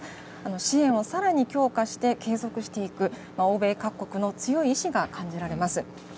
支援をさらに強化して継続していく、欧米各国の強い意志が感じられます。